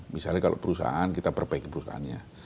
misalnya kalau perusahaan kita perbaiki perusahaannya